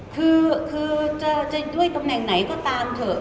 คือจะด้วยตำแหน่งไหนก็ตามเถอะ